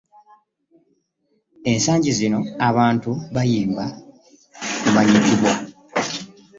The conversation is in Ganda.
Ensangi zino, abamu bayimba kumanyikibwa.